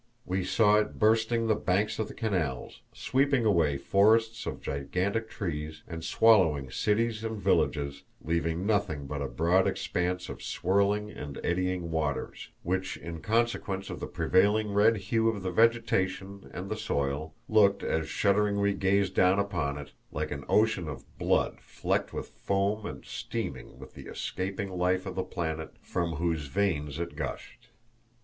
We saw it bursting the banks of the canals, sweeping away forests of gigantic trees, and swallowing cities and villages, leaving nothing but a broad expanse of swirling and eddying waters, which, in consequence of the prevailing red hue of the vegetation and the soil, looked, as shuddering we gazed down upon it, like an ocean of blood flecked with foam and steaming with the escaping life of the planet from whose veins it gushed.